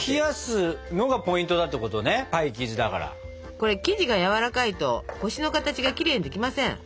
これ生地がやわらかいと星の形がキレイにできません。